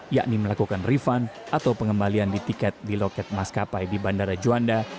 yakni melakukan refund atau pengembalian di tiket di loket maskapai di bandara juanda